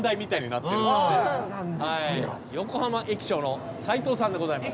横浜駅長の齊藤さんでございます。